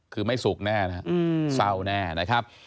คือไม่สุขแน่นะครับเศร้าแน่นะครับ